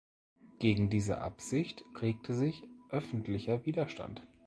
Gegen diese Absicht regte sich öffentlicher Widerstand.